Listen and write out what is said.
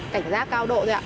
cảnh giác cao độ thôi ạ